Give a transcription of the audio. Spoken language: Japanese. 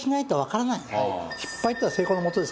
失敗っていうのは成功のもとですから。